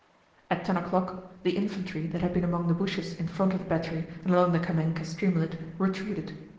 At ten o'clock the infantry that had been among the bushes in front of the battery and along the Kámenka streamlet retreated.